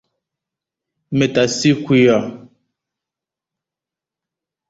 Nanị ya fọdụrụ n’ezinụlọ Metasequoia nwere puku osisi ise ugbu a n’ọhịa.